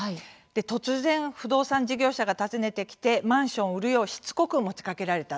突然、不動産事業者が訪ねてきてマンションを売るようしつこく持ちかけられた。